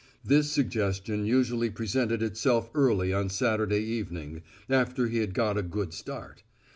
This suggestion usually presented itself early on Saturday evening, after he had got a good start.